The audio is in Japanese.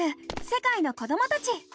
世界の子どもたち」。